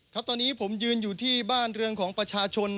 ครับตอนนี้ผมยืนอยู่ที่บ้านเรือนของประชาชน